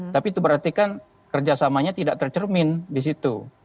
tapi itu berarti kan kerjasamanya tidak tercermin di situ